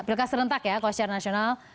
pilkada serentak ya kostjar nasional